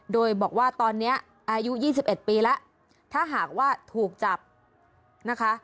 โดยบอกว่าตอนเนี้ยอายุยี่สิบเอ็ดปีแล้วถ้าหากว่าถูกจับนะคะ